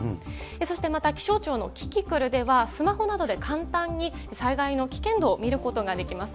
そしてまた気象庁のキキクルでは、スマホなどで簡単に災害の危険度を見ることができます。